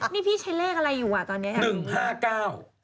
นี่พี่ใช้เลขอะไรอยู่อ่ะตอนนี้